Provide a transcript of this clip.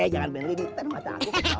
jangan bengeng dihita